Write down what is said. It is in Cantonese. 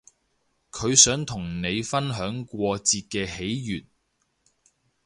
佢想同你分享過節嘅喜悅